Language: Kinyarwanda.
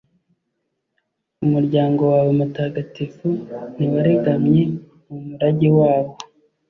umuryango wawe mutagatifu ntiwaregamye mu murage wawo,